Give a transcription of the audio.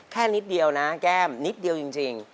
นิดเดียวนะแก้มนิดเดียวจริง